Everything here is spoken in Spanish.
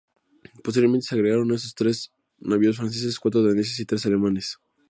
Posteriormente se agregaron a estos tres navíos franceses, cuatro daneses y tres alemanes.